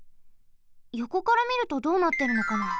よこからみるとどうなってるのかな。